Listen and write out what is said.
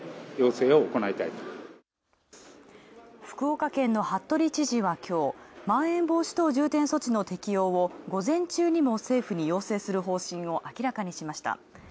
福岡県の服部知事はきょうまん延防止等重点措置の適用を午前中にも政府に要請する方針を明らかにしました。